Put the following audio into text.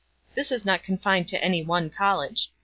This is not confined to any one college.